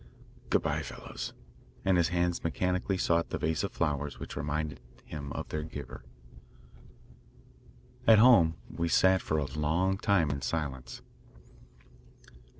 Good bye, fellows," and his hands mechanically sought the vase of flowers which reminded him of their giver. At home we sat for a long time in silence.